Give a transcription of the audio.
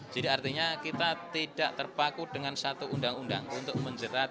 jadi artinya kita tidak terpaku dengan satu undang undang untuk menjerat